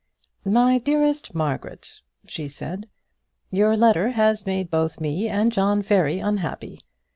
"My dearest Margaret," she said, "Your letter has made both me and John very unhappy.